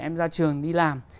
em ra trường đi làm